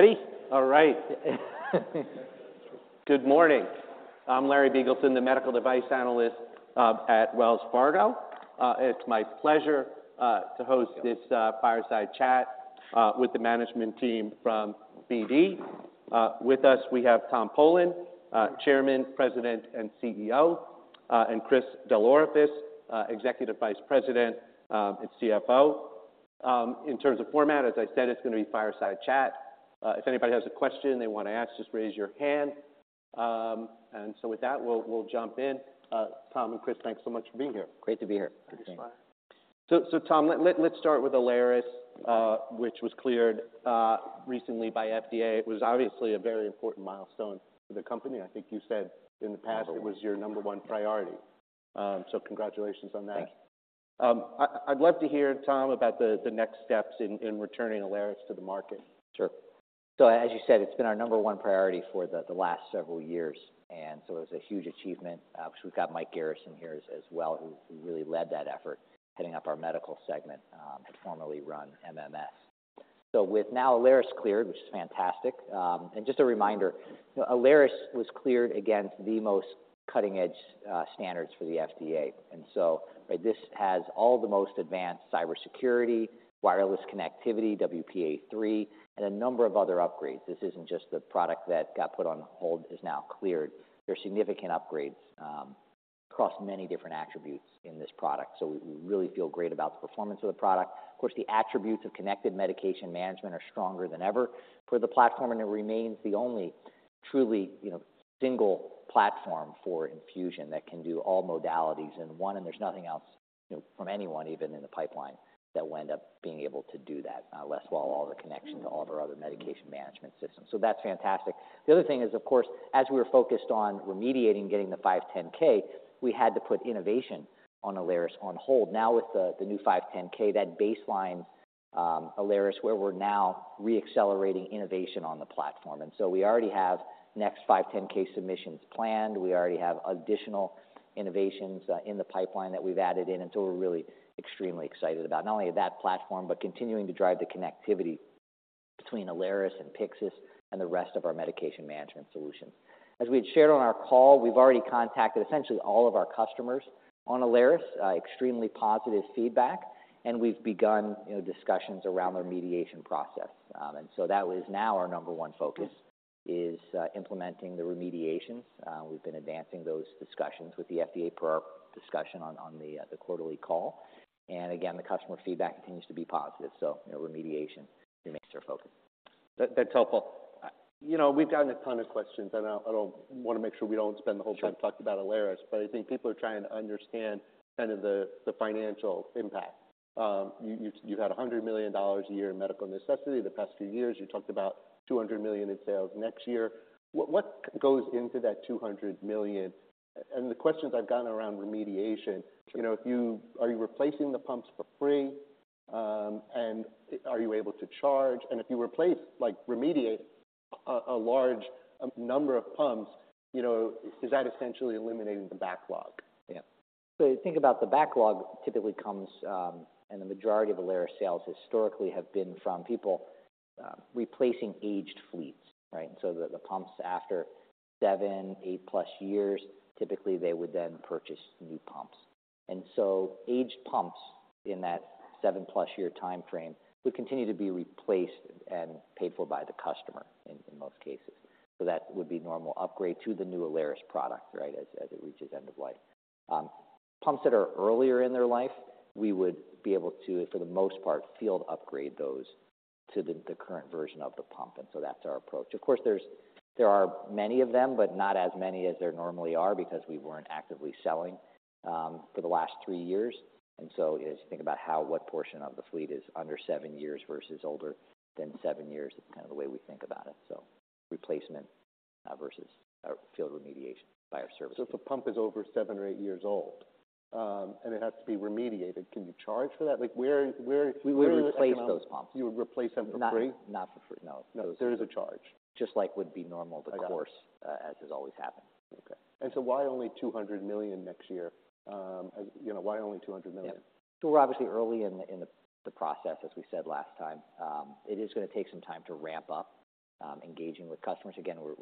Ready? All right. Good morning. I'm Larry Biegelsen, the medical device analyst at Wells Fargo. It's my pleasure to host this fireside chat with the management team from BD. With us, we have Tom Polen, Chairman, President, and CEO, and Chris DelOrefice, Executive Vice President and CFO. In terms of format, as I said, it's gonna be fireside chat. If anybody has a question they want to ask, just raise your hand. And so with that, we'll jump in. Tom and Chris, thanks so much for being here. Great to be here. Thanks, Larry. So, Tom, let's start with Alaris, which was cleared recently by FDA. It was obviously a very important milestone for the company. I think you said in the past- Oh, wow. It was your number one priority. So congratulations on that. Thank you. I'd love to hear, Tom, about the next steps in returning Alaris to the market. Sure. So as you said, it's been our number one priority for the last several years, and so it was a huge achievement. Because we've got Mike Garrison here as well, who really led that effort, heading up our medical segment, had formerly run MMS. So with now Alaris cleared, which is fantastic. And just a reminder, Alaris was cleared against the most cutting-edge standards for the FDA. And so this has all the most advanced cybersecurity, wireless connectivity, WPA3, and a number of other upgrades. This isn't just the product that got put on hold, is now cleared. There are significant upgrades across many different attributes in this product, so we really feel great about the performance of the product. Of course, the attributes of connected medication management are stronger than ever for the platform, and it remains the only truly, you know, single platform for infusion that can do all modalities in one, and there's nothing else, you know, from anyone, even in the pipeline, that will end up being able to do that, less well, all the connections to all of our other medication management systems. So that's fantastic. The other thing is, of course, as we were focused on remediating, getting the 510(k), we had to put innovation on Alaris on hold. Now, with the, the new 510(k), that baselines Alaris, where we're now re-accelerating innovation on the platform. And so we already have next 510(k) submissions planned. We already have additional innovations in the pipeline that we've added in, and so we're really extremely excited about not only that platform, but continuing to drive the connectivity between Alaris and Pyxis and the rest of our medication management solutions. As we had shared on our call, we've already contacted essentially all of our customers on Alaris. Extremely positive feedback, and we've begun, you know, discussions around the remediation process. And so that is now our number one focus, is implementing the remediations. We've been advancing those discussions with the FDA per our discussion on the quarterly call. And again, the customer feedback continues to be positive, so you know, remediation remains our focus. That, that's helpful. You know, we've gotten a ton of questions, and I don't... want to make sure we don't spend the whole time- Sure Talking about Alaris, but I think people are trying to understand kind of the financial impact. You've had $100 million a year in medical necessity the past few years. You talked about $200 million in sales next year. What goes into that $200 million? And the questions I've gotten around remediation. Sure. You know, if you are replacing the pumps for free? And are you able to charge? And if you replace, like, remediate a large number of pumps, you know, is that essentially eliminating the backlog? Yeah. So you think about the backlog typically comes, and the majority of Alaris sales historically have been from people replacing aged fleets, right? So the pumps after 7, 8+ years, typically they would then purchase new pumps. And so aged pumps in that 7+ year timeframe would continue to be replaced and paid for by the customer in most cases. So that would be normal upgrade to the new Alaris product, right? As it reaches end of life. Pumps that are earlier in their life, we would be able to, for the most part, field upgrade those to the current version of the pump, and so that's our approach. Of course, there are many of them, but not as many as there normally are, because we weren't actively selling for the last 3 years. As you think about how what portion of the fleet is under seven years versus older than seven years, that's kind of the way we think about it. Replacement versus field remediation by our services. So if a pump is over seven or eight years old, and it has to be remediated, can you charge for that? Like, where- We would replace those pumps. You would replace them for free? Not, not for free, no. No, there is a charge. Just like would be normal due course- I got it.... as has always happened. Okay. And so why only $200 million next year? As you know, why only $200 million? Yeah. So we're obviously early in the process, as we said last time. It is gonna take some time to ramp up, engaging with customers. Again, we're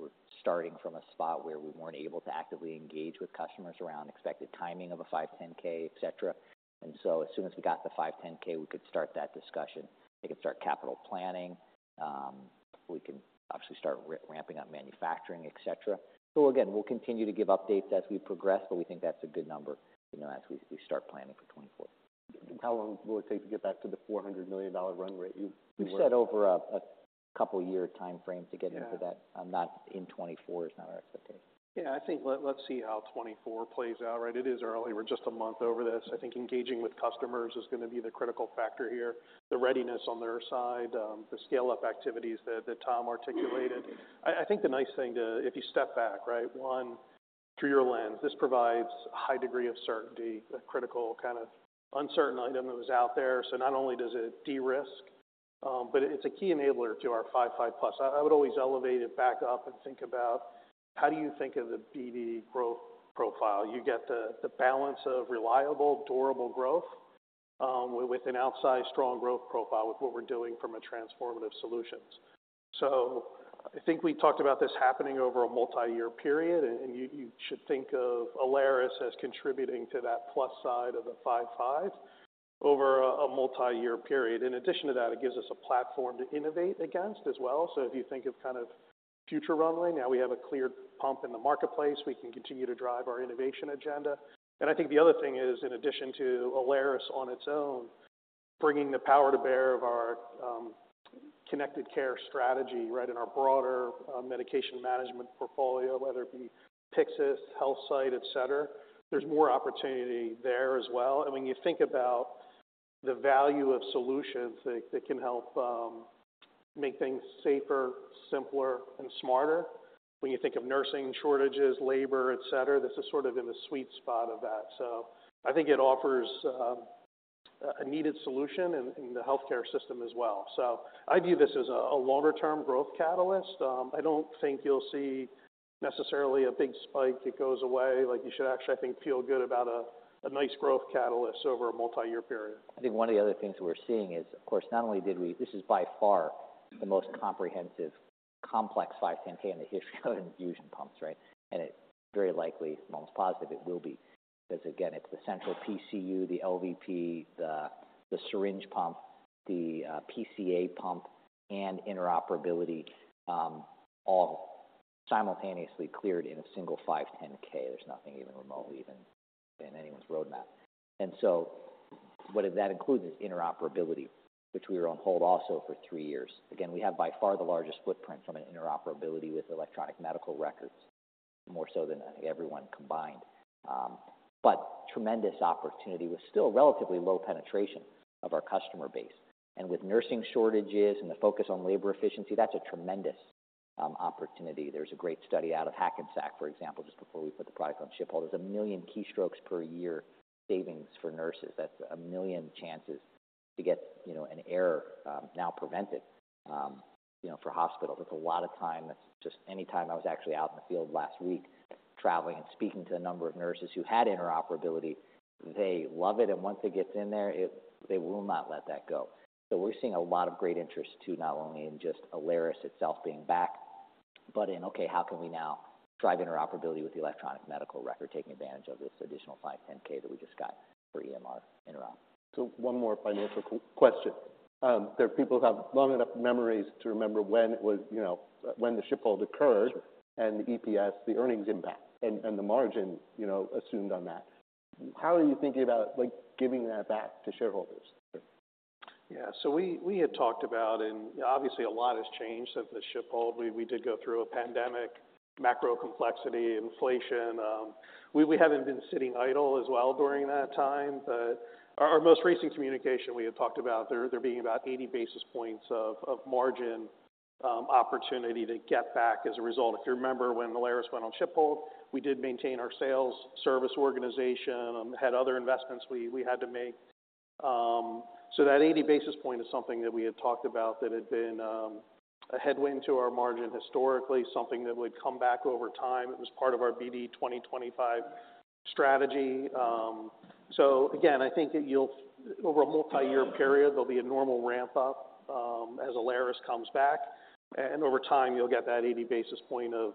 starting from a spot where we weren't able to actively engage with customers around expected timing of a 510(k), et cetera. And so as soon as we got the 510(k), we could start that discussion. We could start capital planning. We could obviously start re-ramping up manufacturing, et cetera. So again, we'll continue to give updates as we progress, but we think that's a good number, you know, as we start planning for 2024. How long will it take to get back to the $400 million run rate you were- We've said over a couple year timeframe to get into that. Yeah. I'm not in 2024 is not our expectation. Yeah, I think let's see how 2024 plays out, right? It is early. We're just a month over this. I think engaging with customers is gonna be the critical factor here, the readiness on their side, the scale-up activities that Tom articulated. I think the nice thing. If you step back, right? One, through your lens, this provides a high degree of certainty, a critical kind of uncertain item that was out there. So not only does it de-risk, but it's a key enabler to our 5.5+. I would always elevate it back up and think about: How do you think of the BD growth profile? You get the balance of reliable, durable growth with an outsized strong growth profile with what we're doing from a transformative solutions. So I think we talked about this happening over a multi-year period, and you should think of Alaris as contributing to that plus side of the 5-5 over a multi-year period. In addition to that, it gives us a platform to innovate against as well. So if you think of kind of future runway, now we have a cleared pump in the marketplace. We can continue to drive our innovation agenda. And I think the other thing is, in addition to Alaris on its own, bringing the power to bear of our connected care strategy, right, and our broader medication management portfolio, whether it be Pyxis, HealthSight, et cetera, there's more opportunity there as well. And when you think about the value of solutions that can help make things safer, simpler, and smarter. When you think of nursing shortages, labor, et cetera, this is sort of in the sweet spot of that. So I think it offers a needed solution in the healthcare system as well. So I view this as a longer term growth catalyst. I don't think you'll see necessarily a big spike that goes away. Like, you should actually, I think, feel good about a nice growth catalyst over a multi-year period. I think one of the other things we're seeing is, of course, not only did we, this is by far the most comprehensive, complex 510(k) in the history of infusion pumps, right? And it very likely, almost positive, it will be. Because again, it's the central PCU, the LVP, the syringe pump, the PCA pump, and interoperability, all simultaneously cleared in a single 510(k). There's nothing even remotely, even in anyone's roadmap. And so what that includes is interoperability, which we were on hold also for three years. Again, we have by far the largest footprint from an interoperability with electronic medical records, more so than I think everyone combined. But tremendous opportunity with still relatively low penetration of our customer base. And with nursing shortages and the focus on labor efficiency, that's a tremendous opportunity. There's a great study out of Hackensack, for example, just before we put the product on ship hold. There's 1 million keystrokes per year savings for nurses. That's 1 million chances to get, you know, an error, now prevented, you know, for hospitals. That's a lot of time. That's just... anytime I was actually out in the field last week, traveling and speaking to a number of nurses who had interoperability, they love it, and once it gets in there, it—they will not let that go. So we're seeing a lot of great interest, too, not only in just Alaris itself being back, but in, okay, how can we now drive interoperability with the electronic medical record, taking advantage of this additional 510(k) that we just got for EMR interop? So one more financial question. There are people who have long enough memories to remember when it was, you know, when the ship hold occurred and the EPS, the earnings impact and the margin, you know, assumed on that. How are you thinking about, like, giving that back to shareholders? Yeah, so we had talked about and obviously a lot has changed since the ship hold. We did go through a pandemic, macro complexity, inflation. We haven't been sitting idle as well during that time, but our most recent communication, we had talked about there being about 80 basis points of margin opportunity to get back as a result. If you remember when Alaris went on ship hold, we did maintain our sales service organization, had other investments we had to make. So that 80 basis point is something that we had talked about that had been a headwind to our margin historically, something that would come back over time. It was part of our BD 2025 strategy. So again, I think that you'll, over a multi-year period, there'll be a normal ramp up, as Alaris comes back, and over time, you'll get that 80 basis point of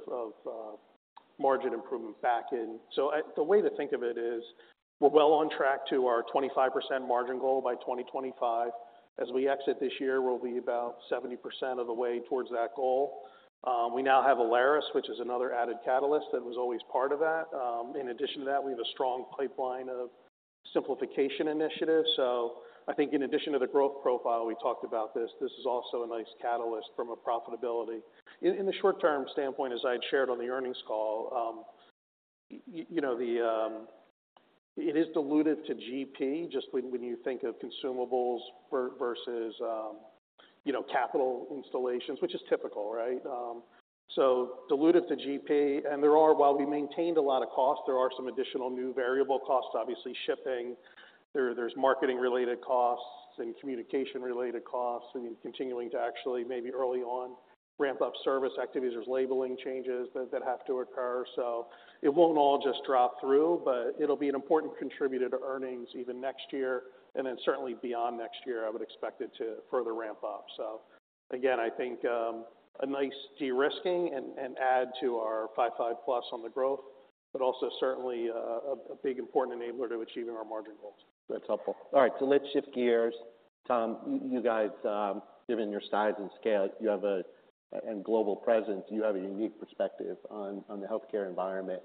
margin improvement back in. So the way to think of it is we're well on track to our 25% margin goal by 2025. As we exit this year, we'll be about 70% of the way towards that goal. We now have Alaris, which is another added catalyst that was always part of that. In addition to that, we have a strong pipeline of simplification initiatives. So I think in addition to the growth profile, we talked about this, this is also a nice catalyst from a profitability. In the short-term standpoint, as I had shared on the earnings call, you know, it is diluted to GP, just when you think of consumables versus capital installations, which is typical, right? So diluted to GP, and there are, while we maintained a lot of costs, there are some additional new variable costs. Obviously, shipping, there's marketing-related costs and communication-related costs, and continuing to actually maybe early on ramp up service activities. There's labeling changes that have to occur, so it won't all just drop through, but it'll be an important contributor to earnings even next year and then certainly beyond next year, I would expect it to further ramp up. So again, I think a nice de-risking and add to our 5.5 plus on the growth, but also certainly a big important enabler to achieving our margin goals. That's helpful. All right, so let's shift gears. Tom, you guys, given your size and scale and global presence, you have a unique perspective on the healthcare environment.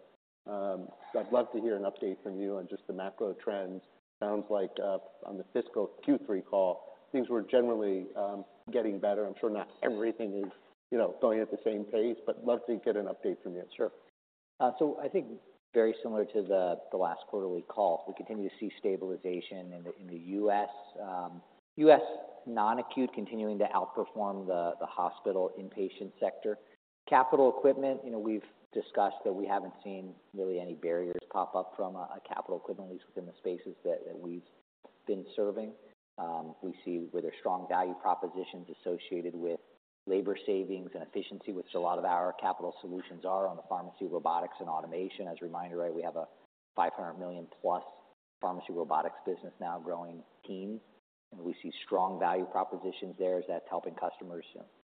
So I'd love to hear an update from you on just the macro trends. Sounds like on the fiscal Q3 call, things were generally getting better. I'm sure not everything is, you know, going at the same pace, but love to get an update from you. Sure. So I think very similar to the last quarterly call, we continue to see stabilization in the US. US non-acute continuing to outperform the hospital inpatient sector. Capital equipment, you know, we've discussed that we haven't seen really any barriers pop up from a capital equipment, at least within the spaces that we've been serving. We see where there's strong value propositions associated with labor savings and efficiency, which a lot of our capital solutions are on the pharmacy, robotics, and automation. As a reminder, right, we have a $500 million plus pharmacy robotics business now growing teams, and we see strong value propositions there as that's helping customers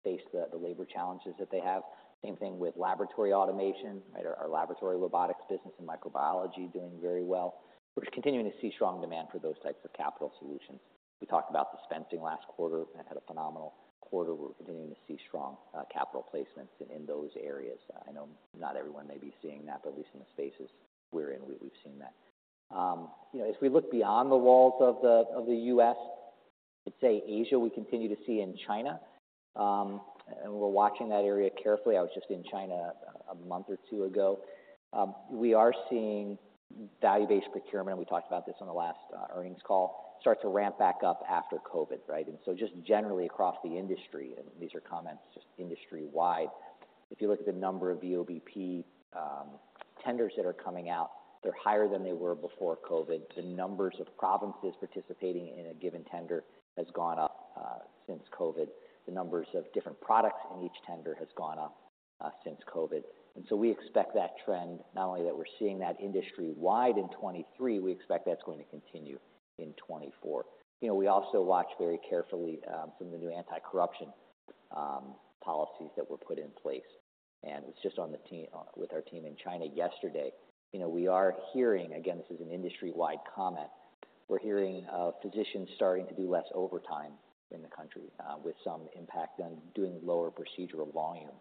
face the labor challenges that they have. Same thing with laboratory automation, right? Our laboratory robotics business and microbiology are doing very well. We're continuing to see strong demand for those types of capital solutions. We talked about dispensing last quarter, and had a phenomenal quarter. We're continuing to see strong capital placements in those areas. I know not everyone may be seeing that, but at least in the spaces we're in, we've seen that. You know, as we look beyond the walls of the U.S., I'd say Asia, we continue to see in China, and we're watching that area carefully. I was just in China a month or two ago. We are seeing Value-Based Procurement, we talked about this on the last earnings call, start to ramp back up after COVID, right? And so just generally across the industry, and these are comments just industry-wide. If you look at the number of VBP tenders that are coming out, they're higher than they were before COVID. The numbers of provinces participating in a given tender has gone up since COVID. The numbers of different products in each tender has gone up since COVID. And so we expect that trend, not only that we're seeing that industry-wide in 2023, we expect that's going to continue in 2024. You know, we also watch very carefully some of the new anti-corruption policies that were put in place. And I was just with our team in China yesterday. You know, we are hearing, again, this is an industry-wide comment, we're hearing of physicians starting to do less overtime in the country with some impact on doing lower procedural volume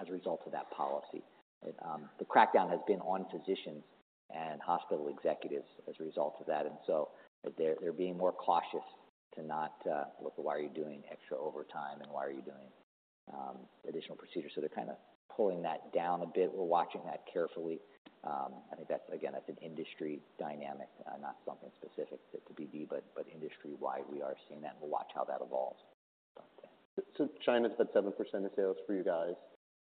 as a result of that policy. The crackdown has been on physicians and hospital executives as a result of that, and so they're, they're being more cautious to not... "Well, why are you doing extra overtime, and why are you doing additional procedures?" So they're kind of pulling that down a bit. We're watching that carefully. I think that's, again, that's an industry dynamic, not something specific to BD, but, but industry-wide, we are seeing that, and we'll watch how that evolves. China's about 7% of sales for you guys.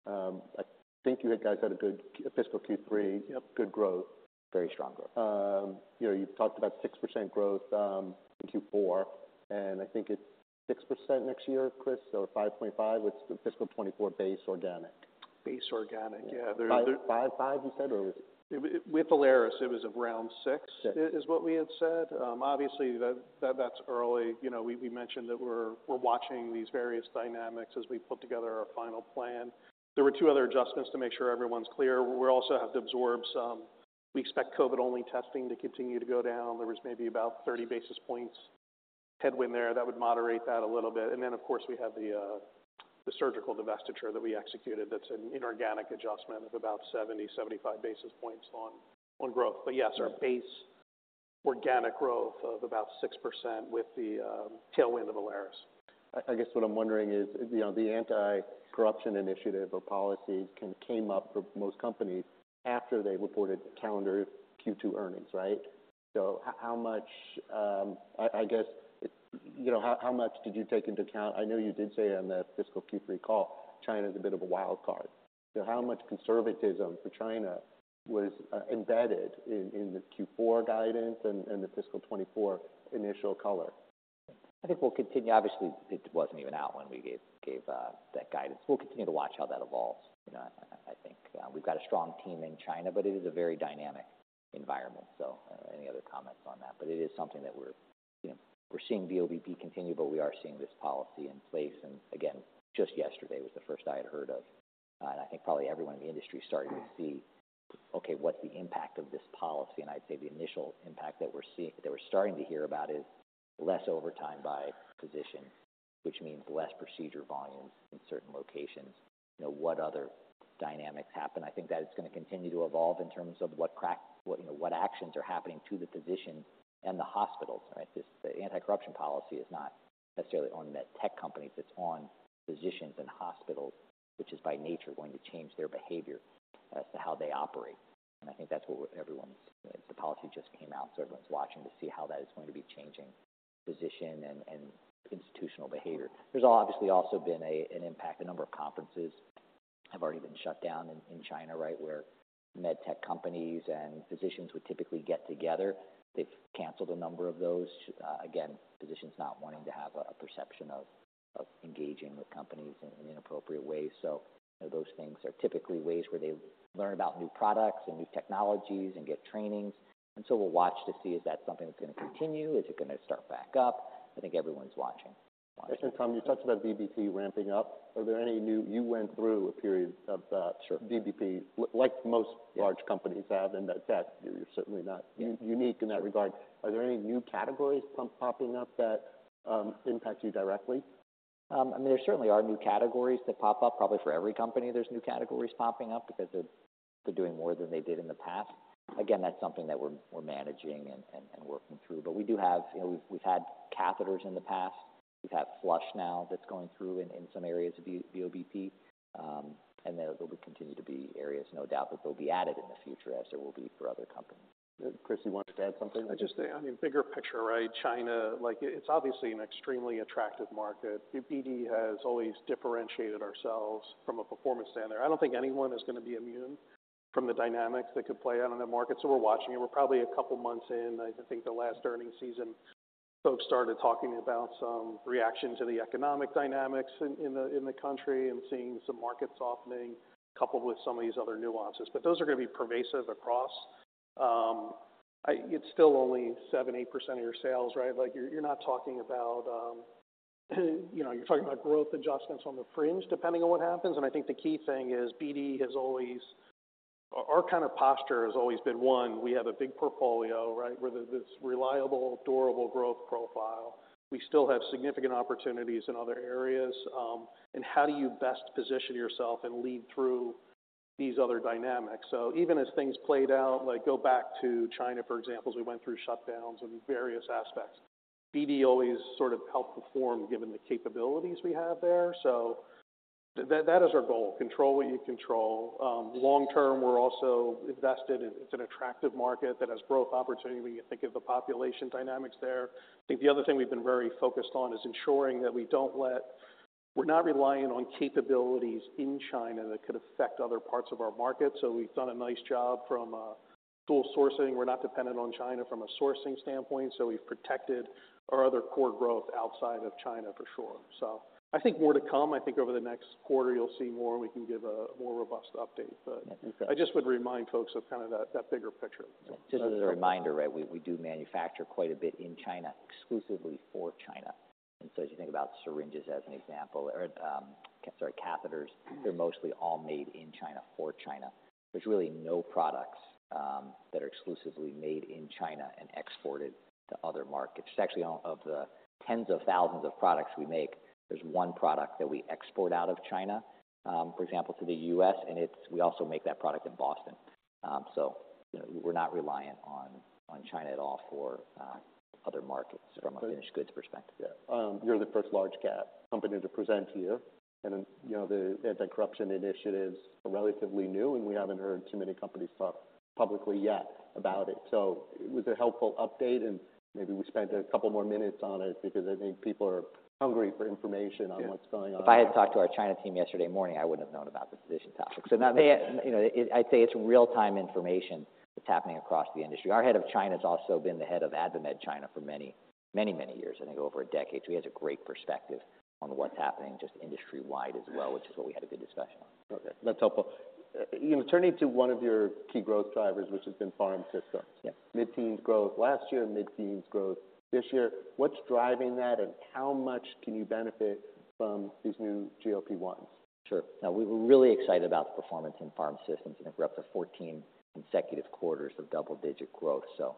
I think you guys had a good fiscal Q3. Yep. Good growth. Very strong growth. You know, you've talked about 6% growth in Q4, and I think it's 6% next year, Chris, or 5.5, with the fiscal 2024 base organic. Base organic, yeah. There- 5.5 you said, or…? With Alaris, it was around six- Okay. - is what we had said. Obviously, that's early. You know, we mentioned that we're watching these various dynamics as we put together our final plan. There were two other adjustments, to make sure everyone's clear. We also have to absorb some-- We expect COVID-only testing to continue to go down. There was maybe about 30 basis points headwind there. That would moderate that a little bit. And then, of course, we have the surgical divestiture that we executed. That's an inorganic adjustment of about 70-75 basis points on growth. But yes, our base organic growth of about 6% with the tailwind of Alaris. I guess what I'm wondering is, you know, the anti-corruption initiative or policy came up for most companies after they reported calendar Q2 earnings, right? So how much did you take into account? I know you did say on the fiscal Q3 call, China is a bit of a wild card. So how much conservatism for China was embedded in the Q4 guidance and the fiscal 2024 initial color? I think we'll continue. Obviously, it wasn't even out when we gave that guidance. We'll continue to watch how that evolves. You know, I think we've got a strong team in China, but it is a very dynamic environment, so any other comments on that? But it is something that we're, you know, we're seeing VBP continue, but we are seeing this policy in place. And again, just yesterday was the first I had heard of, and I think probably everyone in the industry is starting to see, "Okay, what's the impact of this policy?" And I'd say the initial impact that we're seeing, that we're starting to hear about, is less overtime by physicians, which means less procedure volumes in certain locations. You know, what other dynamics happen? I think that it's going to continue to evolve in terms of what crackdown, what, you know, what actions are happening to the physicians and the hospitals, right? This, the anti-corruption policy is not necessarily on the tech companies, it's on physicians and hospitals, which is by nature, going to change their behavior as to how they operate. And I think that's what everyone... The policy just came out, so everyone's watching to see how that is going to be changing physician and institutional behavior. There's obviously also been an impact. A number of conferences have already been shut down in China, right? Where med tech companies and physicians would typically get together. They've canceled a number of those. Again, physicians not wanting to have a perception of engaging with companies in inappropriate ways. So those things are typically ways where they learn about new products and new technologies and get trainings. And so we'll watch to see if that's something that's going to continue. Is it going to start back up? I think everyone's watching. I think, Tom, you touched about VBP ramping up. Are there any new...? You went through a period of that- Sure. - VBP, like most large companies have, and that you're certainly not unique in that regard. Are there any new categories popping up that impact you directly? I mean, there certainly are new categories that pop up. Probably for every company, there's new categories popping up because they're doing more than they did in the past. Again, that's something that we're managing and working through. But we do have. You know, we've had catheters in the past. We've had flush now that's going through in some areas of VBP, and there will continue to be areas, no doubt, that will be added in the future, as there will be for other companies. Chris, you wanted to add something? I'd just say, I mean, bigger picture, right? China, like, it's obviously an extremely attractive market. BD has always differentiated ourselves from a performance standard. I don't think anyone is going to be immune from the dynamics that could play out on the market. So we're watching it. We're probably a couple months in. I think the last earnings season, folks started talking about some reaction to the economic dynamics in the country and seeing some market softening, coupled with some of these other nuances. But those are going to be pervasive across. It's still only 7%-8% of your sales, right? Like, you're not talking about, you know, you're talking about growth adjustments on the fringe, depending on what happens. I think the key thing is, BD has always. Our, our kind of posture has always been, one, we have a big portfolio, right, with this reliable, durable growth profile. We still have significant opportunities in other areas. And how do you best position yourself and lead through these other dynamics? So even as things played out, like go back to China, for example, as we went through shutdowns and various aspects, BD always sort of helped perform given the capabilities we have there. So that, that is our goal. Control what you can control. Long-term, we're also invested. It's an attractive market that has growth opportunity when you think of the population dynamics there. I think the other thing we've been very focused on is ensuring that we don't let. We're not relying on capabilities in China that could affect other parts of our market. So we've done a nice job from a dual sourcing. We're not dependent on China from a sourcing standpoint, so we've protected our other core growth outside of China, for sure. So I think more to come. I think over the next quarter you'll see more, and we can give a more robust update. But I just would remind folks of kind of that, that bigger picture. Just as a reminder, right? We do manufacture quite a bit in China, exclusively for China. And so as you think about syringes as an example, or sorry, catheters, they're mostly all made in China for China. There's really no products that are exclusively made in China and exported to other markets. Actually, of the tens of thousands of products we make, there's one product that we export out of China, for example, to the U.S., and it's - we also make that product in Boston. So we're not reliant on China at all for other markets from a finished goods perspective. Yeah. You're the first large cap company to present here, and, you know, the anti-corruption initiatives are relatively new, and we haven't heard too many companies talk publicly yet about it. So it was a helpful update, and maybe we spent a couple more minutes on it because I think people are hungry for information on what's going on. If I had talked to our China team yesterday morning, I wouldn't have known about the physician topic. So now, you know, I'd say it's real-time information that's happening across the industry. Our head of China has also been the head of AdvaMed China for many, many, many years, I think over a decade. So he has a great perspective on what's happening, just industry-wide as well, which is what we had a good discussion on. Okay, that's helpful. You know, turning to one of your key growth drivers, which has been Pharmaceutical Systems. Yeah. Mid-teens growth last year, mid-teens growth this year. What's driving that, and how much can you benefit from these new GLP-1s? Sure. Now we're really excited about the performance in PharmSystems. I think we're up to 14 consecutive quarters of double-digit growth. So,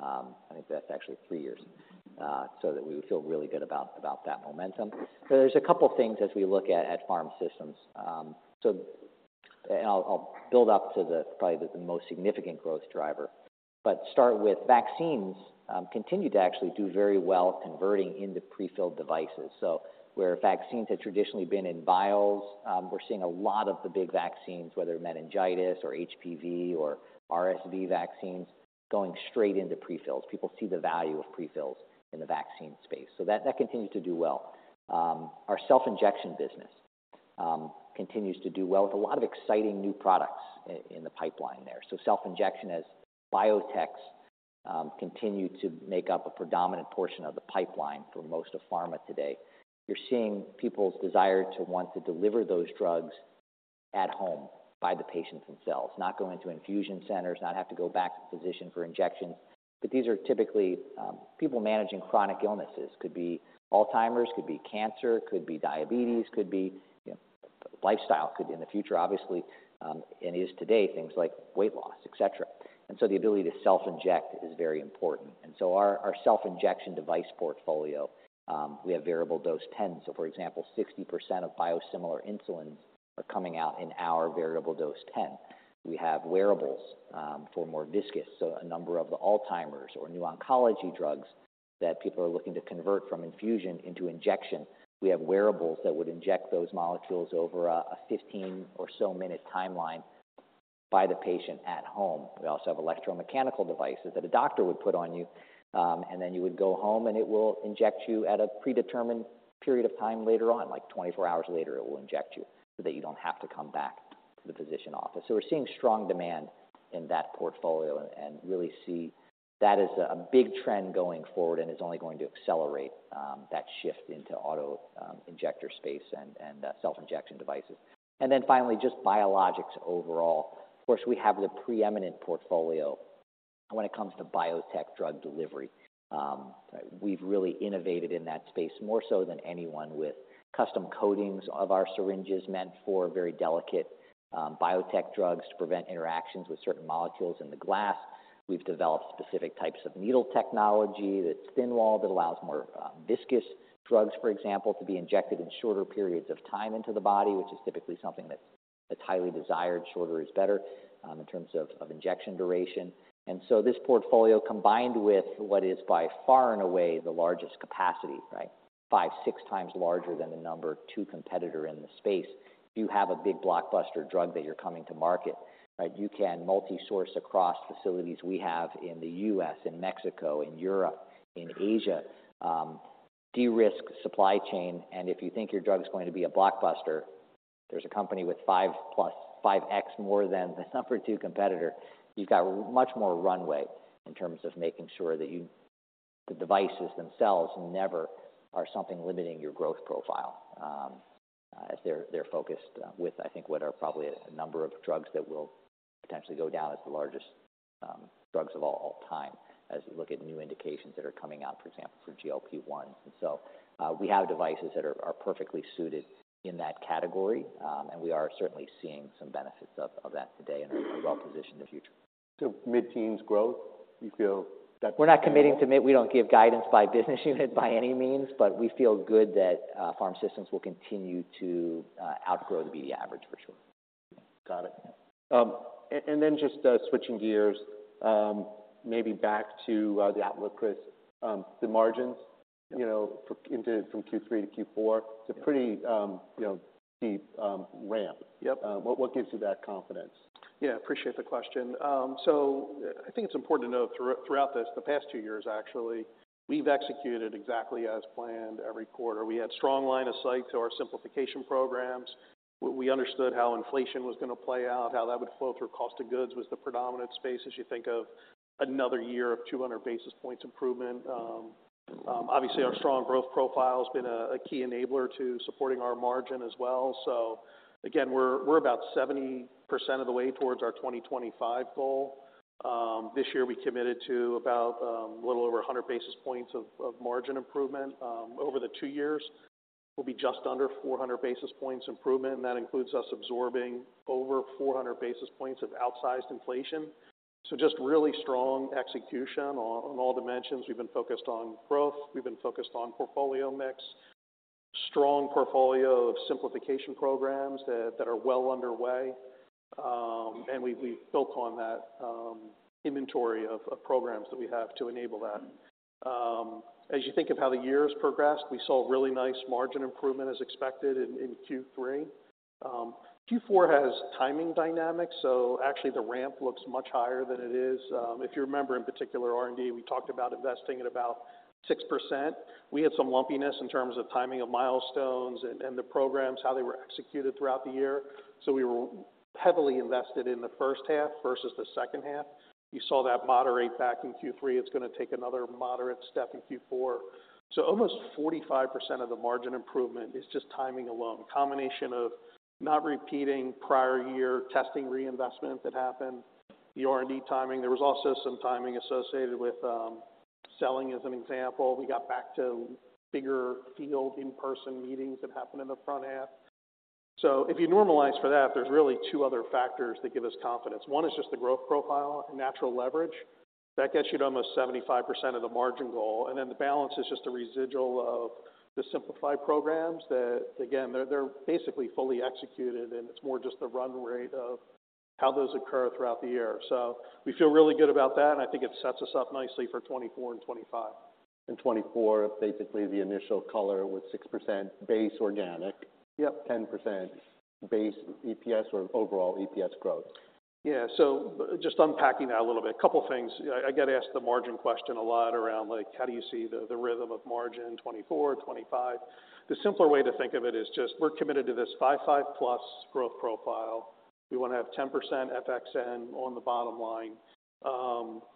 I think that's actually 3 years. So that we feel really good about, about that momentum. So there's a couple things as we look at, at PharmSystems. And I'll, I'll build up to the, probably the most significant growth driver, but start with vaccines, continue to actually do very well converting into prefilled devices. So where vaccines had traditionally been in vials, we're seeing a lot of the big vaccines, whether meningitis or HPV or RSV vaccines, going straight into prefills. People see the value of prefills in the vaccine space, so that, that continues to do well. Our self-injection business continues to do well with a lot of exciting new products in, in the pipeline there. So self-injection, as biotechs continue to make up a predominant portion of the pipeline for most of pharma today, you're seeing people's desire to want to deliver those drugs at home by the patients themselves, not go into infusion centers, not have to go back to the physician for injections. But these are typically people managing chronic illnesses. Could be Alzheimer's, could be cancer, could be diabetes, could be, you know, lifestyle, could be in the future, obviously, and is today, things like weight loss, et cetera. And so the ability to self-inject is very important. And so our, our self-injection device portfolio, we have variable dose pen. So for example, 60% of biosimilar insulin are coming out in our variable dose pen. We have wearables, for more viscous. So a number of the Alzheimer's or new oncology drugs that people are looking to convert from infusion into injection, we have wearables that would inject those molecules over a 15 or so minute timeline by the patient at home. We also have electromechanical devices that a doctor would put on you, and then you would go home, and it will inject you at a predetermined period of time later on. Like, 24 hours later, it will inject you, so that you don't have to come back to the physician office. So we're seeing strong demand in that portfolio and really see that as a big trend going forward, and it's only going to accelerate that shift into auto injector space and self-injection devices. And then finally, just biologics overall. Of course, we have the preeminent portfolio when it comes to biotech drug delivery. We've really innovated in that space more so than anyone with custom coatings of our syringes, meant for very delicate biotech drugs to prevent interactions with certain molecules in the glass. We've developed specific types of needle technology that's thin-walled, that allows more viscous drugs, for example, to be injected in shorter periods of time into the body, which is typically something that's highly desired. Shorter is better in terms of injection duration. And so this portfolio, combined with what is by far and away the largest capacity, right? 5-6 times larger than the number two competitor in the space. If you have a big blockbuster drug that you're coming to market, right, you can multi-source across facilities we have in the U.S., in Mexico, in Europe, in Asia, de-risk supply chain. And if you think your drug is going to be a blockbuster, there's a company with 5+, 5x more than the number 2 competitor. You've got much more runway in terms of making sure that the devices themselves never are something limiting your growth profile, as they're focused with, I think, what are probably a number of drugs that will potentially go down as the largest drugs of all time, as we look at new indications that are coming out, for example, for GLP-1. And so, we have devices that are perfectly suited in that category, and we are certainly seeing some benefits of that today and are well positioned in the future. So mid-teens growth, you feel that- We're not committing to mid. We don't give guidance by business unit by any means, but we feel good that Pharm Systems will continue to outgrow the BD average for sure. Got it. And then just switching gears, maybe back to the outlook, Chris. The margins, you know, from Q3 to Q4- Yeah. It's a pretty, you know, steep ramp. Yep. What gives you that confidence? Yeah, appreciate the question. So I think it's important to note throughout this, the past two years, actually, we've executed exactly as planned every quarter. We had strong line of sight to our simplification programs. We understood how inflation was going to play out, how that would flow through cost of goods, was the predominant space as you think of another year of 200 basis points improvement. Obviously, our strong growth profile has been a key enabler to supporting our margin as well. So again, we're about 70% of the way towards our 2025 goal. This year, we committed to about a little over 100 basis points of margin improvement. Over the two years, we'll be just under 400 basis points improvement, and that includes us absorbing over 400 basis points of outsized inflation. So just really strong execution on all dimensions. We've been focused on growth. We've been focused on portfolio mix. Strong portfolio of simplification programs that are well underway. And we've built on that inventory of programs that we have to enable that. As you think of how the year has progressed, we saw a really nice margin improvement as expected in Q3. Q4 has timing dynamics, so actually, the ramp looks much higher than it is. If you remember, in particular, R&D, we talked about investing at about 6%. We had some lumpiness in terms of timing of milestones and the programs, how they were executed throughout the year. So we were heavily invested in the first half versus the second half. You saw that moderate back in Q3. It's going to take another moderate step in Q4. So almost 45% of the margin improvement is just timing alone. Combination of not repeating prior year testing reinvestment that happened, the R&D timing. There was also some timing associated with, selling, as an example. We got back to bigger field in-person meetings that happened in the front half. So if you normalize for that, there's really two other factors that give us confidence. One is just the growth profile and natural leverage. That gets you to almost 75% of the margin goal, and then the balance is just a residual of the simplified programs that, again, they're basically fully executed, and it's more just the run rate of how those occur throughout the year. We feel really good about that, and I think it sets us up nicely for 2024 and 2025. And 24, basically the initial color with 6% base organic- Yep. 10% base EPS or overall EPS growth. Yeah. So just unpacking that a little bit. A couple of things. I get asked the margin question a lot around, like, how do you see the rhythm of margin in 2024, 2025? The simpler way to think of it is just we're committed to this 5.5+ growth profile. We want to have 10% FXN on the bottom line.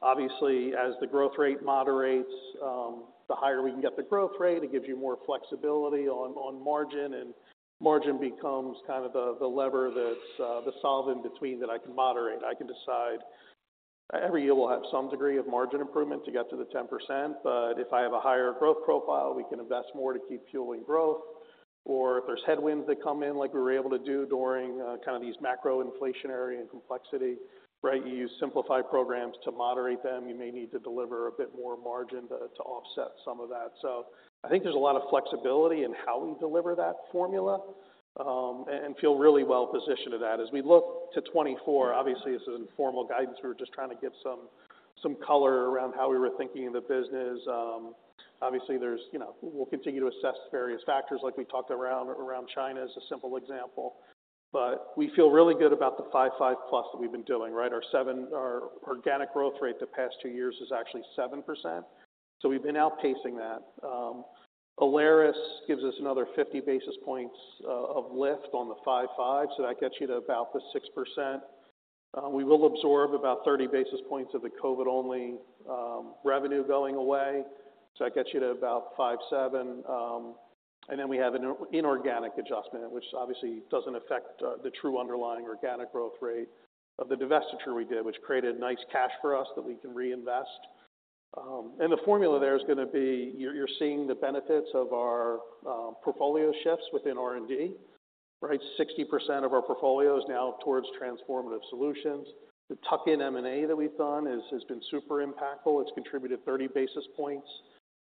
Obviously, as the growth rate moderates, the higher we can get the growth rate, it gives you more flexibility on margin, and margin becomes kind of the lever that's the solve in between that I can moderate. I can decide. Every year, we'll have some degree of margin improvement to get to the 10%, but if I have a higher growth profile, we can invest more to keep fueling growth. Or if there's headwinds that come in, like we were able to do during kind of these macro inflationary and complexity, right? You use simplified programs to moderate them. You may need to deliver a bit more margin to offset some of that. So I think there's a lot of flexibility in how we deliver that formula, and feel really well positioned to that. As we look to 2024, obviously, this is informal guidance. We were just trying to give some color around how we were thinking in the business. Obviously, there's, you know, we'll continue to assess various factors like we talked around, around China as a simple example. But we feel really good about the 5, 5+ that we've been doing, right? Our organic growth rate the past two years is actually 7%, so we've been outpacing that. Alaris gives us another 50 basis points of lift on the 5.5, so that gets you to about the 6%. We will absorb about 30 basis points of the COVID-only revenue going away, so that gets you to about 5.7. And then we have an inorganic adjustment, which obviously doesn't affect the true underlying organic growth rate of the divestiture we did, which created nice cash for us that we can reinvest. And the formula there is going to be, you're seeing the benefits of our portfolio shifts within R&D, right? 60% of our portfolio is now towards transformative solutions. The tuck-in M&A that we've done has been super impactful. It's contributed 30 basis points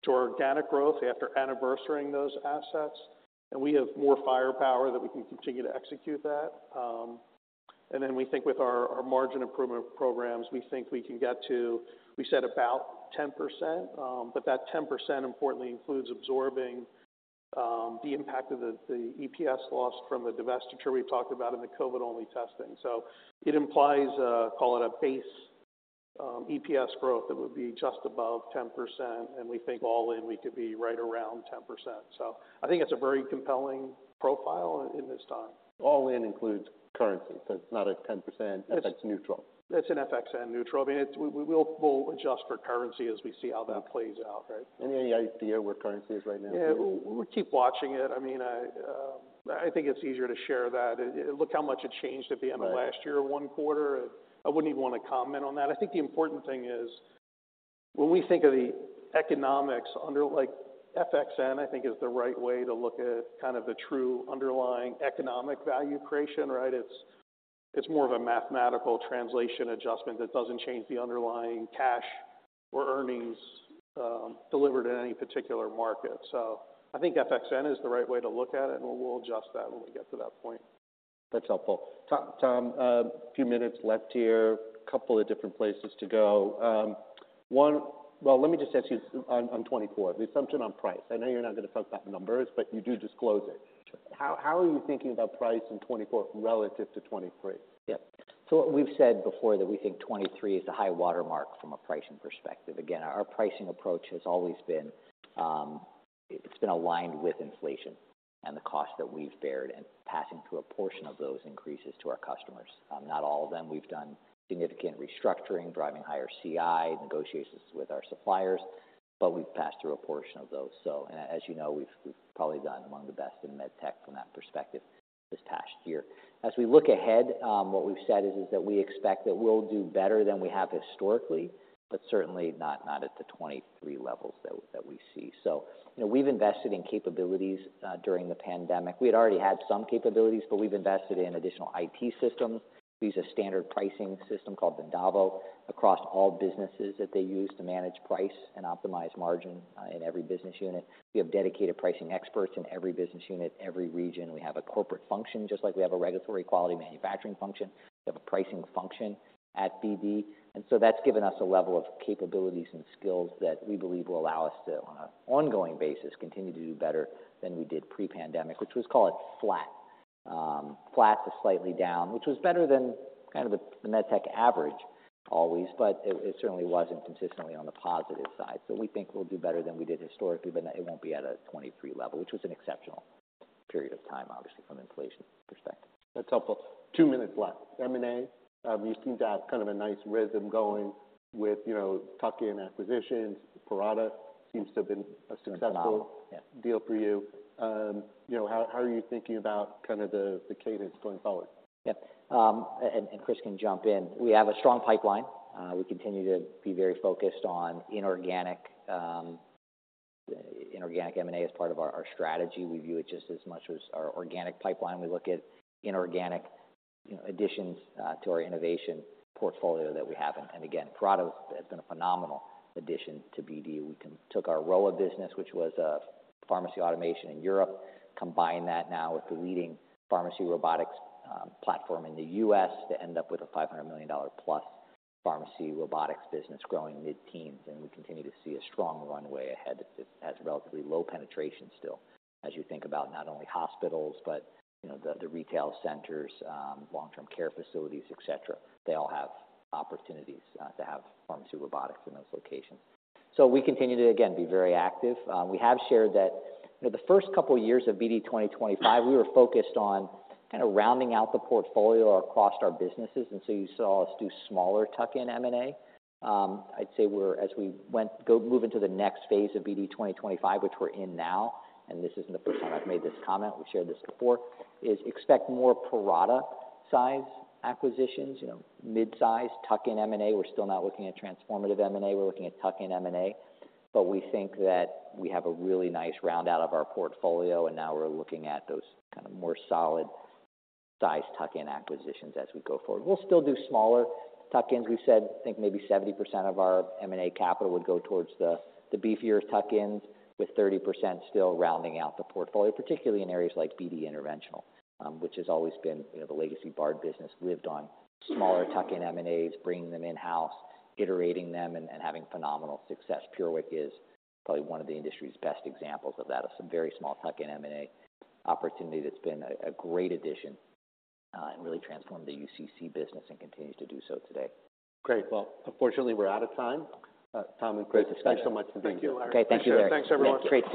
to organic growth after anniversarying those assets, and we have more firepower that we can continue to execute that. And then we think with our margin improvement programs, we think we can get to, we said about 10%, but that 10% importantly includes absorbing the impact of the EPS loss from the divestiture we've talked about in the COVID-only testing. So it implies a, call it a base EPS growth, it would be just above 10%, and we think all in, we could be right around 10%. So I think it's a very compelling profile in this time. All in includes currency, so it's not a 10%, FX neutral. It's an FXN neutral. I mean, we'll adjust for currency as we see how that plays out, right? Any idea where currency is right now? Yeah, we'll keep watching it. I mean, I think it's easier to share that. Look how much it changed at the end of last year- Right In one quarter. I wouldn't even want to comment on that. I think the important thing is, when we think of the economics under like FXN, I think is the right way to look at kind of the true underlying economic value creation, right? It's, it's more of a mathematical translation adjustment that doesn't change the underlying cash or earnings, delivered in any particular market. So I think FXN is the right way to look at it, and we'll adjust that when we get to that point. That's helpful. Tom, Tom, a few minutes left here. A couple of different places to go. Well, let me just ask you on 2024, the assumption on price. I know you're not going to talk about numbers, but you do disclose it. How are you thinking about price in 2024 relative to 2023? Yeah. So what we've said before, that we think 23 is the high watermark from a pricing perspective. Again, our pricing approach has always been, it's been aligned with inflation and the cost that we've borne, and passing through a portion of those increases to our customers, not all of them. We've done significant restructuring, driving higher CI, negotiations with our suppliers, but we've passed through a portion of those. So and as you know, we've probably done among the best in med tech from that perspective this past year. As we look ahead, what we've said is that we expect that we'll do better than we have historically, but certainly not at the 23 levels that we see. So you know, we've invested in capabilities during the pandemic. We had already had some capabilities, but we've invested in additional IT systems. We use a standard pricing system called Vendavo, across all businesses that they use to manage price and optimize margin, in every business unit. We have dedicated pricing experts in every business unit, every region. We have a corporate function, just like we have a regulatory quality manufacturing function. We have a pricing function at BD, and so that's given us a level of capabilities and skills that we believe will allow us to, on an ongoing basis, continue to do better than we did pre-pandemic, which was, call it flat. Flat to slightly down, which was better than kind of the med tech average always, but it, it certainly wasn't consistently on the positive side. We think we'll do better than we did historically, but it won't be at a 23 level, which was an exceptional period of time, obviously, from an inflation perspective. That's helpful. Two minutes left. M&A, you seem to have kind of a nice rhythm going with, you know, tuck-in acquisitions. Parata seems to have been a successful- Yeah. - deal for you. You know, how are you thinking about kind of the cadence going forward? Yeah, and Chris can jump in. We have a strong pipeline. We continue to be very focused on inorganic M&A as part of our strategy. We view it just as much as our organic pipeline. We look at inorganic, you know, additions to our innovation portfolio that we have. And again, Parata has been a phenomenal addition to BD. We took our Rowa business, which was a pharmacy automation in Europe, combined that now with the leading pharmacy robotics platform in the U.S., to end up with a $500 million plus pharmacy robotics business growing mid-teens. And we continue to see a strong runway ahead that has relatively low penetration still, as you think about not only hospitals, but, you know, the retail centers, long-term care facilities, etc. They all have opportunities to have pharmacy robotics in those locations. So we continue to, again, be very active. We have shared that, you know, the first couple of years of BD 2025, we were focused on kind of rounding out the portfolio across our businesses, and so you saw us do smaller tuck-in M&A. I'd say we're as we move into the next phase of BD 2025, which we're in now, and this isn't the first time I've made this comment, we've shared this before, is expect more Parata-sized acquisitions, you know, mid-size, tuck-in M&A. We're still not looking at transformative M&A, we're looking at tuck-in M&A. But we think that we have a really nice roundout of our portfolio, and now we're looking at those kind of more solid-sized tuck-in acquisitions as we go forward. We'll still do smaller tuck-ins. We've said, I think, maybe 70% of our M&A capital would go towards the beefier tuck-ins, with 30% still rounding out the portfolio, particularly in areas like BD Interventional, which has always been, you know, the legacy Bard business. Lived on smaller tuck-in M&As, bringing them in-house, iterating them, and having phenomenal success. PureWick is probably one of the industry's best examples of that, of some very small tuck-in M&A opportunity that's been a great addition, and really transformed the UCC business and continues to do so today. Great. Well, unfortunately, we're out of time. Tom and Chris- Thanks so much. Thank you. Okay, thank you. Thanks, everyone. Great to-